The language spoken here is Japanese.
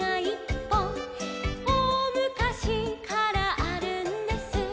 「おおむかしからあるんです」